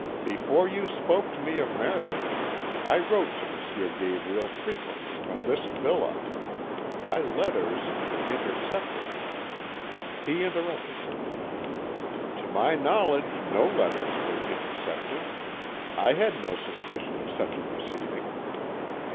Before you spoke to me of marriage I wrote to M. Gabriel frequently from this villa. My letters were intercepted ' "He interrupted her. 'To my knowledge no letters were intercepted; I had no suspicion of such a proceeding.'